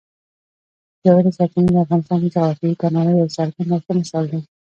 ژورې سرچینې د افغانستان د جغرافیوي تنوع یو څرګند او ښه مثال دی.